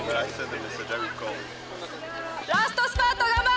ラストスパートガンバ！